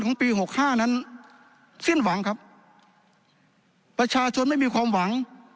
ของปีหกห้านั้นสิ้นหวังครับประชาชนไม่มีความหวัง